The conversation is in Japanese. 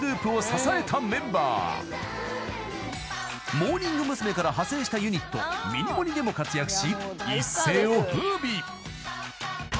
［モーニング娘。から派生したユニットミニモニ。でも活躍し］